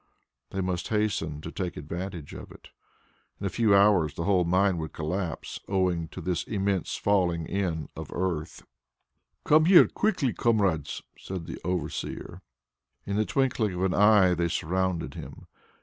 They must hasten to take advantage of it. In a few hours the whole mine would collapse owing to this immense falling in of earth. "Come here quickly, comrades!" said the overseer. In the twinkling of an eye they surrounded him.